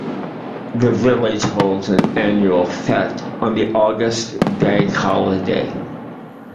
The village holds an annual fete on the August bank holiday.